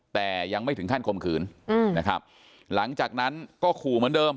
แต่ยังไม่ถึงขั้นคมขืนนะครับหลังจากนั้นก็ขู่เหมือนเดิม